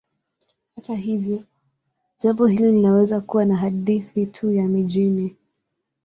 Hata hivyo, jambo hili linaweza kuwa ni hadithi tu ya mijini.